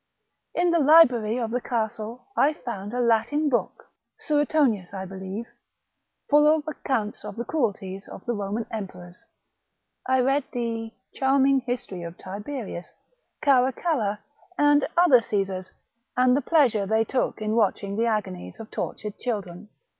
In the Kbrary of the castle I found a Latin book — Suetonius, I beKeve — full of accounts of the cruelties of the Eoman Emperors. I read the charming history of Tiberius, Caracalla, and other Caesars, and the pleasure they took in watching the agonies of tortured children.